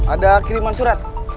ada kiriman surat